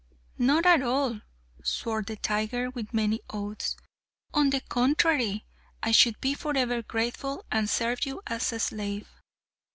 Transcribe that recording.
"Not at all!" swore the tiger with many oaths; "on the contrary, I should be for ever grateful, and serve you as a slave!"